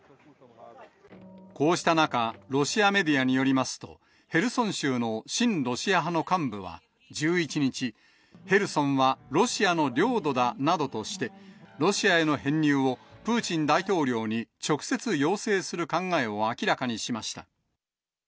こうした中、ロシアメディアによりますと、ヘルソン州の親ロシア派の幹部は１１日、ヘルソンはロシアの領土だなどとして、ロシアへの編入を、プーチン大統領に直接要請する考えを明らかにしました。